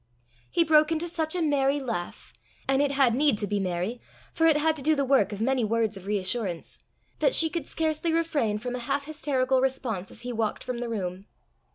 He broke into such a merry laugh and it had need to be merry, for it had to do the work of many words of reassurance that she could scarcely refrain from a half hysterical response as he walked from the room.